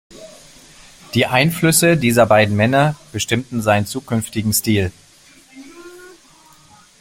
Die Einflüsse dieser beiden Männer bestimmten seinen zukünftigen Stil.